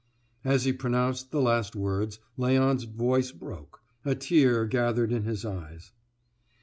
As he pronounced the last words Léon's voice broke; a tear gathered in his eyes.